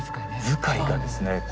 遣いがですね